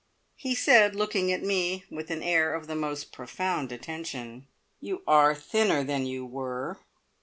He said, looking at me with an air of the most profound attention: "You are thinner than you were.